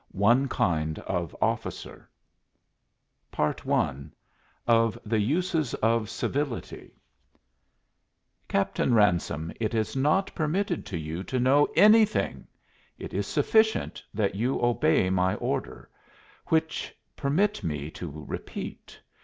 ONE KIND OF OFFICER I OF THE USES OF CIVILITY "Captain Ransome, it is not permitted to you to know anything. It is sufficient that you obey my order which permit me to repeat.